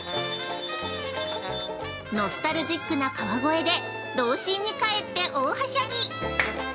◆ノスタルジックな川越で童心に返って、大はしゃぎ。